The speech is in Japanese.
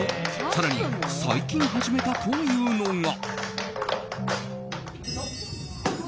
更に最近、始めたというのが。